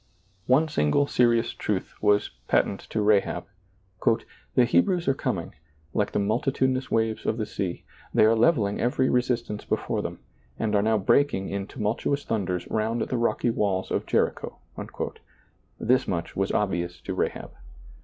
One single serious truth was patent to Rahab, " The Hebrews are coming, like the multitudinous waves of the sea ; they are leveling every resistance before them, and are now breaking in tumultuous thunders round the rocky walls of Jericho "— this much was obvious to Rahab.